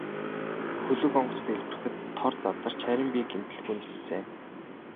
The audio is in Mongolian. Хөлөг онгоц дэлбэрэхэд тор задарч харин би гэмтэлгүй ниссэн.